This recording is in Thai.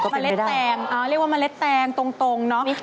เมล็ดแตงเรียกว่าเมล็ดแตงตรงเนาะ